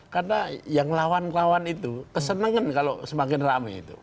karena yang lawan lawan itu kesenangan kalau semakin ramai itu